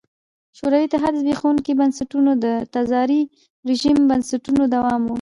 شوروي اتحاد زبېښونکي بنسټونه د تزاري رژیم بنسټونو دوام و.